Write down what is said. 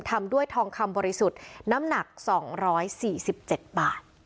ทำด้วยทองคำบริสุทธิ์น้ำหนักสองร้อยสี่สิบเจ็ดบาท